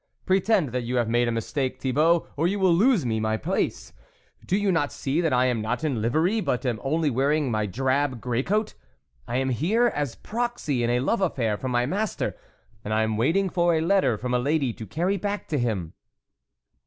" Pretend that you have made a mis take, Thibault, or you will lose me my place ; do you not see that I am not in livery, but am only wearing my drab great coat ! I am here as proxy in a love affair for my master, and I am waiting for a letter from a lady to carry back to him."